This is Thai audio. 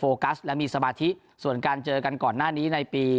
กัสและมีสมาธิส่วนการเจอกันก่อนหน้านี้ในปี